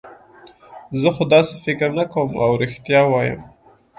زه خو داسې فکر نه کوم، اوه رښتیا وایم.